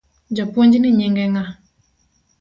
Japuonjni nyinge ng’a?